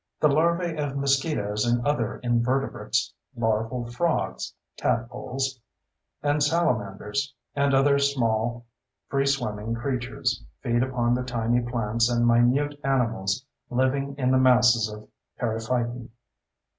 The larvae of mosquitoes and other invertebrates, larval frogs (tadpoles) and salamanders, and other small, free swimming creatures feed upon the tiny plants and minute animals living in the masses of periphyton.